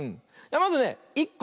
まずね１こ。